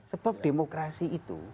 sebab demokrasi itu